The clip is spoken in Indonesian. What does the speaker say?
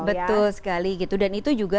betul sekali gitu dan itu juga